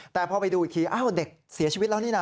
แต่พอไปดูอีกทีอ้าวเด็กเสียชีวิตแล้วนี่นะ